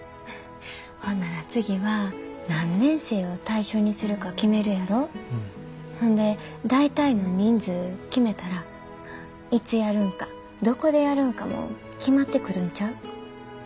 ほんなら次は何年生を対象にするか決めるやろほんで大体の人数決めたらいつやるんかどこでやるんかも決まってくるんちゃう？